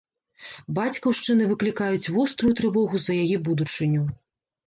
Бацькаўшчыны выклікаюць вострую трывогу за яе будучыню.